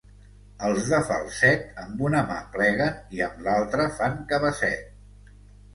Els de Falset, amb una mà pleguen i amb l'altra fan cabasset.